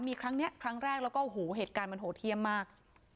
มีครั้งนี้ครั้งแรกแล้วก็โอ้โหเหตุการณ์มันโหดเยี่ยมมาก